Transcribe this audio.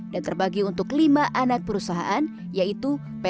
dan terbagi untuk lima anggotaan hutan yang berbeda dengan perkebunan perkebunan terbaik